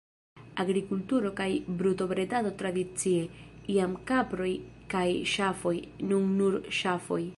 Agrikulturo kaj brutobredado tradicie, iam kaproj kaj ŝafoj, nun nur ŝafoj.